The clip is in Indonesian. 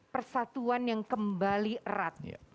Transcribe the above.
persatuan yang kembali erat